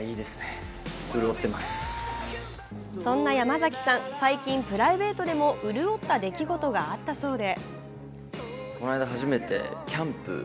そんな山崎さん、最近プライベートでも潤った出来事があったそうで。